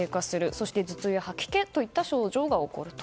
そして頭痛や吐き気といった症状が起こると。